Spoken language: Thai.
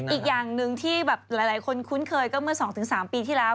อีกอย่างหนึ่งที่แบบหลายคนคุ้นเคยก็เมื่อ๒๓ปีที่แล้ว